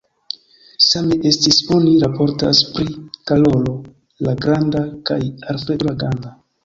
Same estis, oni raportas, pri Karolo la Granda kaj Alfredo la Granda.